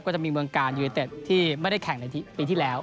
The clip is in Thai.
จะมีเมืองกาลยูนิเต็ดที่ไม่ได้แข่งในปีที่แล้ว